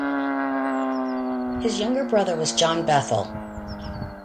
His younger brother was John Bethell.